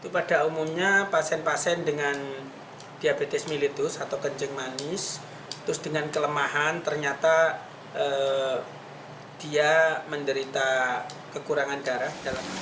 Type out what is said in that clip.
pada umumnya pasien pasien dengan diabetes militus atau kencing manis terus dengan kelemahan ternyata dia menderita kekurangan darah